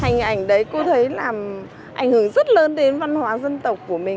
hình ảnh đấy cô thấy làm ảnh hưởng rất lớn đến văn hóa dân tộc của mình